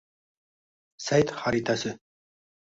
Sayt xaritasi